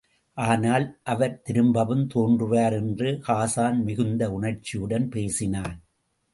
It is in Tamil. ஆனால், அவர் திரும்பவும் தோன்றுவார் என்று ஹாஸான் மிகுந்த உணர்ச்சியுடன் பேசினான்.